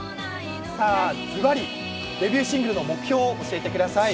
ズバリ、デビューシングルの目標を教えてください。